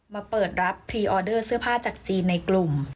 มาเปิดรับพรีออเดอร์เสื้อผ้าจากจีนในกลุ่ม